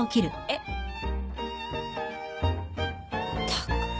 ったく。